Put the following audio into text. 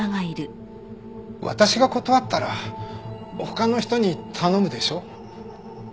私が断ったら他の人に頼むでしょ。